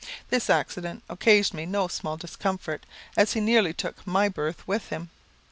This accident occasioned me no small discomfort, as he nearly took my berth with him.